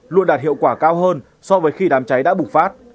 luôn đạt hiệu quả cao hơn so với khi đám cháy đã bùng phát